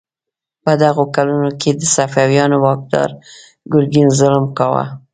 په دغو کلونو کې د صفویانو واکدار ګرګین ظلم کاوه.